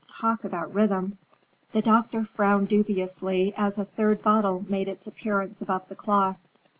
Talk about rhythm!" The doctor frowned dubiously as a third bottle made its appearance above the cloth.